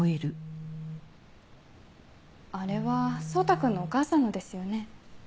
あれは蒼汰君のお母さんのですよね？